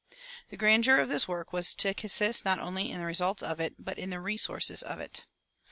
The grandeur of this work was to consist not only in the results of it, but in the resources of it.